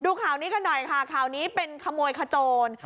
ข่าวนี้กันหน่อยค่ะข่าวนี้เป็นขโมยขโจร